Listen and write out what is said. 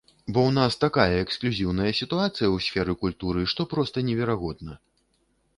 Бо ў нас такая эксклюзіўная сітуацыя ў сферы культуры, што проста неверагодна.